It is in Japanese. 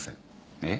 えっ？